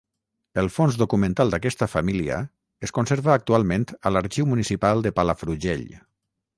El fons documental d'aquesta família es conserva actualment a l'Arxiu Municipal de Palafrugell.